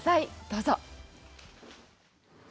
どうぞ。